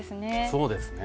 そうですね。